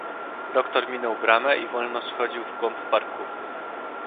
"Doktor minął bramę i wolno schodził w głąb parku."